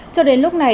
cho đến lúc này